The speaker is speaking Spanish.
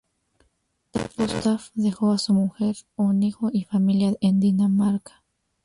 Gustaf dejó a su mujer, un hijo y familia en Dinamarca.